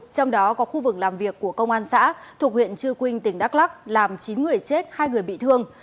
trong đó có khu vực làm việc của công an xã thuộc huyện trư quynh tỉnh đắk lắc làm chín người chết hai người bị thương